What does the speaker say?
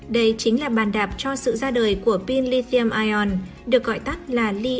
đây chính là bàn đạp cho sự ra đời của pin lithium ion được gọi tắt là li ion